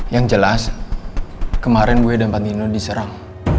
yang jelas kemarin gue dampak nino diserang